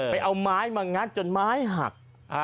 เอาไม้มางัดจนไม้หัก